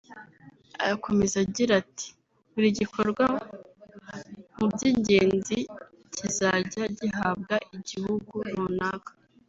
Akomeza agira ati “Buri gikorwa mu by’ingenzi kizajya gihabwa igihugu runaka